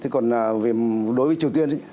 còn đối với triều tiên